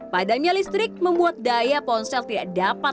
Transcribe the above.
padamnya listrik membuat daya ponsel tidak dapat